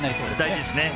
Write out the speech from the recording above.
大事ですね。